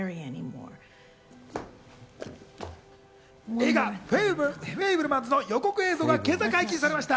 映画『フェイブルマンズ』の予告映像が今朝、解禁されました。